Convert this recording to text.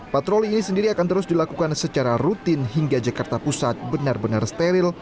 patroli ini sendiri akan terus dilakukan secara rutin hingga jakarta pusat benar benar steril